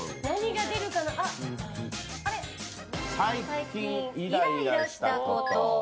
最近イライラしたこと。